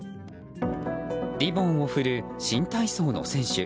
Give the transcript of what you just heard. リボンを振る新体操の選手。